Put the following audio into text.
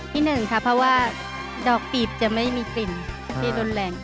ที่หนึ่งค่ะเพราะว่าดอกปีบจะไม่มีกลิ่นที่รุนแรง